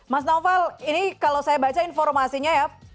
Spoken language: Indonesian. mas naufal ini kalau saya baca informasinya ya